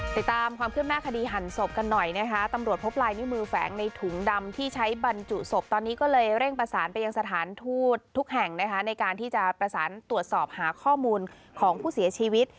ติดตามความคืบหน้าคดีหั่นศพกันหน่อยนะคะตำรวจพบลายนิ้วมือแฝงในถุงดำที่ใช้บรรจุศพตอนนี้ก็เลยเร่งประสานไปยังสถานทูตทุกแห่งนะคะในการที่จะประสานตรวจสอบหาข้อมูลของผู้เสียชีวิต